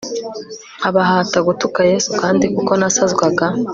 nkabahata gutuka yesu kandi kuko nasazwaga